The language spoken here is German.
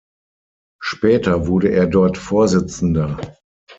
Später wurde er dort Vorsitzender.